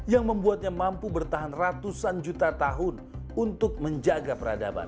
yang membuatnya mampu bertahan ratusan juta tahun untuk menjaga peradaban